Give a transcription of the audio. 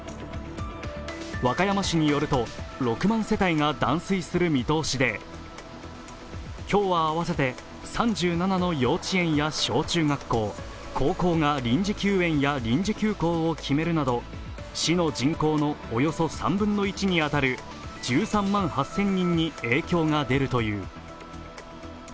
和歌山市によると、６万世帯が断水する見通しで今日は合わせて３７の幼稚園や幼稚園や小学校、高校が臨時休園や臨時休校を決めるなど市の人口のおよそ３分の１に当たる１３万８０００人に影響が出るという。